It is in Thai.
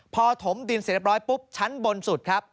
พอถมดินเสร็จเรียบร้อยปุ๊บชั้นบนสุดครับ